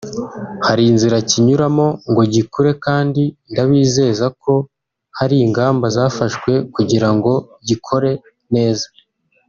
Hari inzira kinyuramo ngo gikure kandi ndabizeza ko hari ingamba zafashwe kugira ngo gikore neza